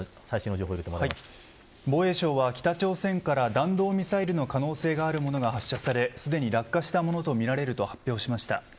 防衛省は北朝鮮から弾道ミサイルの可能性があるものが発射されすでに落下したものとみられると発表しました。